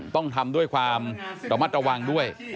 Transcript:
ต้องทำด้วยความระมัดระวังด้วย